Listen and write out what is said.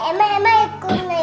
emang emang aku nailah gak